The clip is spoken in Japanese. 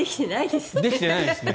できてないですね。